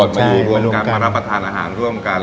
มาอยู่รวมกันมารับประทานอาหารร่วมกัน